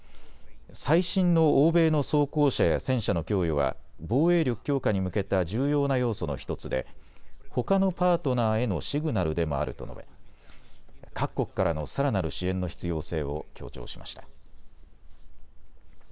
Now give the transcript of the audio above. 最新の欧米の装甲車や戦車の供与は防衛力強化に向けた重要な要素の１つでほかのパートナーへのシグナルでもあると述べ各国からのさらなる支援の必要性を強調しました。